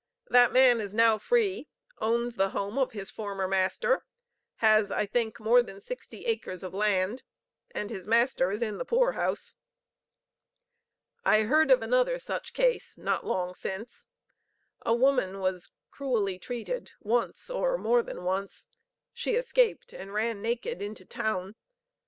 That man is now free, owns the home of his former master, has I think more than sixty acres of land, and his master is in the poor house. I heard of another such case not long since: A woman was cruelly treated once, or more than once. She escaped and ran naked into town.